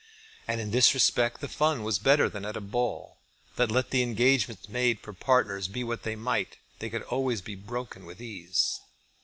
And in this respect the fun was better than at a ball, that let the engagements made for partners be what they might, they could always be broken with ease.